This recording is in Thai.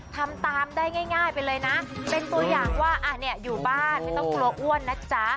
ทำตามได้ง่ายไปเลยนะเป็นตัวอย่างว่าเนี่ยอยู่บ้านไม่ต้องกลัวอ้วนนะจ๊ะ